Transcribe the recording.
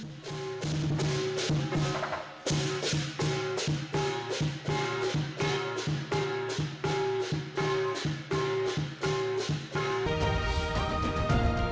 dengan memori tiga ribik x